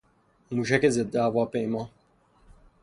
موشک ضدهواپیما